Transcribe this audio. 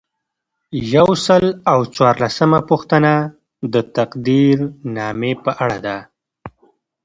یو سل او څوارلسمه پوښتنه د تقدیرنامې په اړه ده.